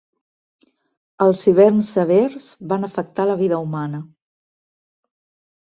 Els hiverns severs van afectar la vida humana.